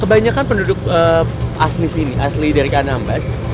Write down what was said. kebanyakan penduduk asli sini asli dari kabupaten anambas